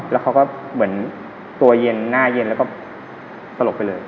แล้วเขาก็เหมือนตัวเย็นหน้าเย็นแล้วก็สลบไปเลย